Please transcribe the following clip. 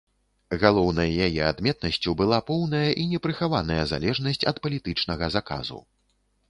Галоўнай яе адметнасцю была поўная і непрыхаваная залежнасць ад палітычнага заказу.